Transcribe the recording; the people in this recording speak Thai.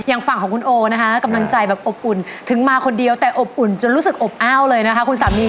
อย่างฝั่งของคุณโอนะคะกำลังใจแบบอบอุ่นถึงมาคนเดียวแต่อบอุ่นจนรู้สึกอบอ้าวเลยนะคะคุณสามี